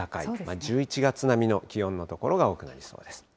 １１月並みの気温の所が多くなりそうです。